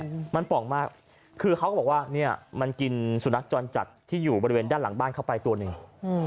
อืมมันป่องมากคือเขาก็บอกว่าเนี้ยมันกินสุนัขจรจัดที่อยู่บริเวณด้านหลังบ้านเข้าไปตัวหนึ่งอืม